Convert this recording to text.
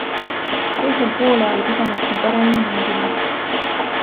Teisel poolajal pidanuks me paremini mängima.